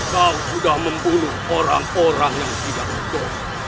kau sudah membunuh orang orang yang tidak utuh